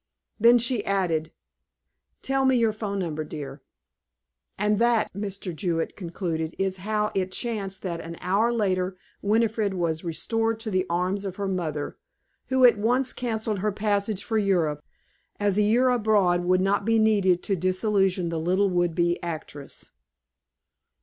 "Then she added: 'Tell me your telephone number, dear.' "And that," Mr. Jewett concluded, "is how it chanced that an hour later Winifred was restored to the arms of her mother, who at once canceled her passage for Europe, as a year abroad would not be needed to disillusion the little would be actress."